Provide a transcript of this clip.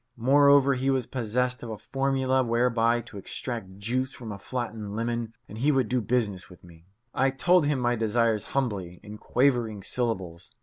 Moreover, he was possessed of a formula whereby to extract juice from a flattened lemon, and he would do business with me. I told him my desires humbly, in quavering syllables.